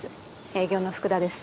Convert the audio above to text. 営業の福田です。